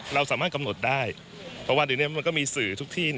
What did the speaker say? เราสามารถกำหนดได้เพราะว่าเดี๋ยวนี้มันก็มีสื่อทุกที่